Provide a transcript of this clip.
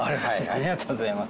ありがとうございます。